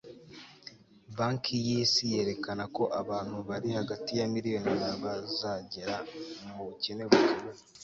banki y' isi yerekana ko abantu bari hagati ya miliyoni na bazagera mu bukene bukabije